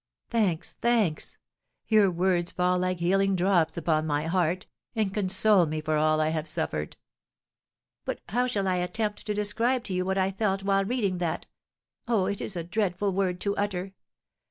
"Thanks, thanks! Your words fall like healing drops upon my heart, and console me for all I have suffered." "But how shall I attempt to describe to you what I felt while reading that oh, it is a dreadful word to utter!